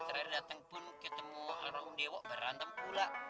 terakhir datang pun ketemu orang dewa berantem pula